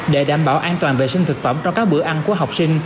để đảm bảo an toàn vệ sinh thực phẩm trong các bữa ăn của học sinh